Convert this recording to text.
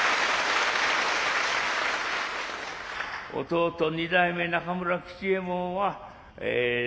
弟二代目中村吉右衛門は祖父